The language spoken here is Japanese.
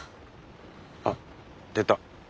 あっ出た。